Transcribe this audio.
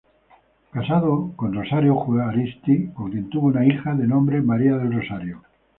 Casado con Rosario Juaristi, con quien tuvo una hija, de nombre María del Rosario.